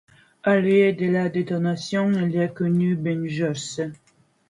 À la lueur de la détonation, il reconnut Ben Joyce.